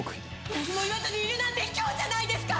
何も言わずにいるなんてひきょうじゃないですか！